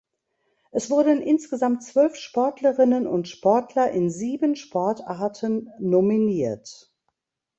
Es wurden insgesamt zwölf Sportlerinnen und Sportler in sieben Sportarten nominiert.